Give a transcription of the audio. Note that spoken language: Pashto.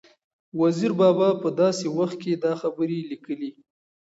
وزیر بابا په داسې وخت کې دا خبرې لیکلي